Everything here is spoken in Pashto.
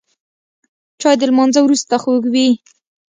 چای د لمانځه وروسته خوږ وي